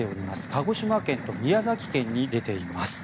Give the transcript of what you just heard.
鹿児島県と宮崎県に出ています。